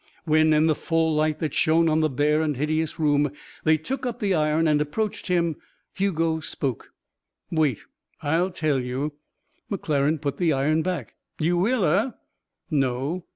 When, in the full light that shone on the bare and hideous room, they took up the iron and approached him, Hugo spoke. "Wait. I'll tell you." McClaren put the iron back. "You will, eh?" "No."